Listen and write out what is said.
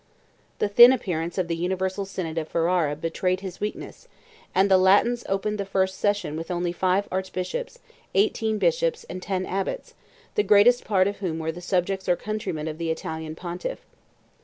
The thin appearance of the universal synod of Ferrara betrayed his weakness: and the Latins opened the first session with only five archbishops, eighteen bishops, and ten abbots, the greatest part of whom were the subjects or countrymen of the Italian pontiff.